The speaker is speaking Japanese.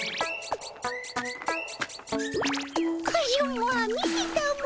カジュマ見てたも。